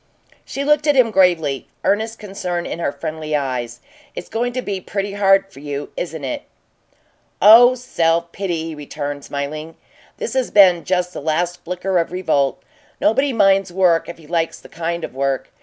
She looked at him gravely, earnest concern in her friendly eyes. "It's going to be pretty hard for you, isn't it?" "Oh self pity!" he returned, smiling. "This has been just the last flicker of revolt. Nobody minds work if he likes the kind of work.